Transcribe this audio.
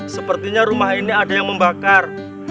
sepertinya rumah ini ada yang membakar